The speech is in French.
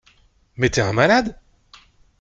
Mais t’es un malade!